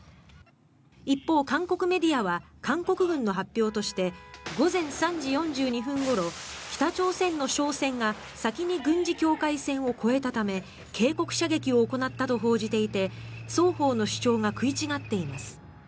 一方、韓国メディアは韓国軍の発表として午前３時４２分ごろ北朝鮮の商船が先に軍事境界線を越えたため警告射撃を行ったと報じていて双方の主張が食い違っています。